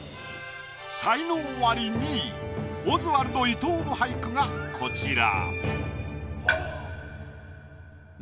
才能アリ２位オズワルド伊藤の俳句がこちら。